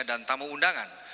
dan tamu undangan